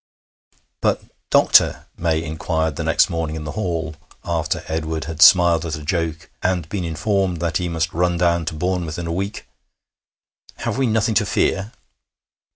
'But, doctor,' May inquired the next morning in the hall, after Edward had smiled at a joke, and been informed that he must run down to Bournemouth in a week, 'have we nothing to fear?'